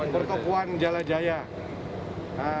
pertukuan jalan jalan